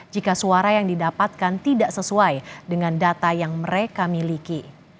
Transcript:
jika suara yang didapatkan tidak sesuai dengan data yang mereka miliki